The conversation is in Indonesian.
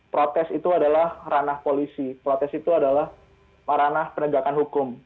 protes itu adalah ranah polisi protes itu adalah ranah penegakan hukum